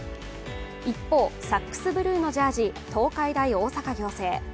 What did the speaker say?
一方、サックスブルーのジャージー東海大大阪仰星。